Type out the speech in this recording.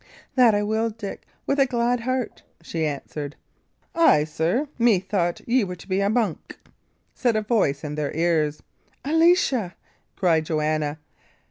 "That will I, Dick, with a glad heart," she answered. "Ay, sir? Methought ye were to be a monk!" said a voice in their ears. "Alicia!" cried Joanna.